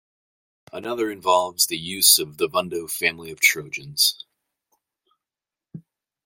Another involves the use of the Vundo family of trojans.